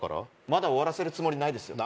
まだ終わらせるつもりないですよ